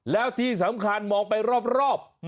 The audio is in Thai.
แล้วที่สำคัญมองไปรอบ